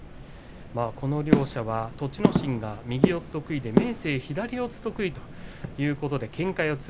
両者は栃ノ心が右四つ得意で明生は左四つを得意ということで、けんか四つ。